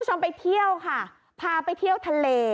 คุณผู้ชมไปเที่ยวค่ะพาไปเที่ยวทะเล